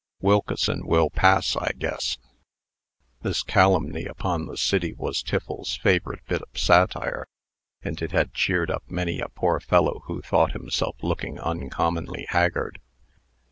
Wilkeson will pass, I guess." This calumny upon the city was Tiffles's favorite bit of satire, and it had cheered up many a poor fellow who thought himself looking uncommonly haggard.